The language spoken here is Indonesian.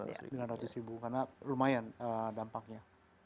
sembilan ratus ribu karena lumayan dampaknya